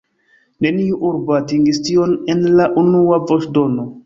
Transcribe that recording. Neniu urbo atingis tion en la unua voĉdono.